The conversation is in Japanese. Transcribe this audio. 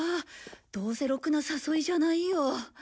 どうせろくな誘いじゃないよ。